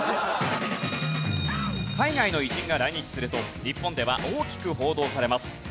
海外の偉人が来日すると日本では大きく報道されます。